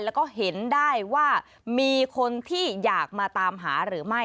แล้วก็เห็นได้ว่ามีคนที่อยากมาตามหาหรือไม่